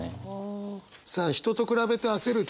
さあ人と比べて焦る気持ち。